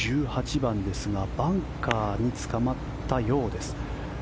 １８番ですがバンカーにつかまったようです。